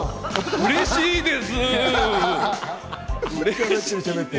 うれしいです！